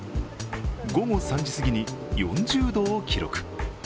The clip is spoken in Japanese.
午後３時すぎに４０度を記録。